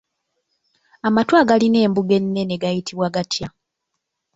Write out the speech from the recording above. Amatu agalina embuga ennene gayitibwa gatya?